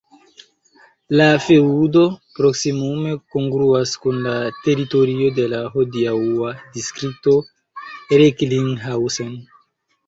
La feŭdo proksimume kongruas kun la teritorio de la hodiaŭa distrikto Recklinghausen.